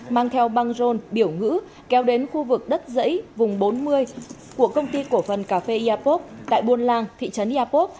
mang theo băng rôn biểu ngữ kéo đến khu vực đất dãy vùng bốn mươi của công ty cổ phần cà phê iapop tại buôn lang thị trấn eapop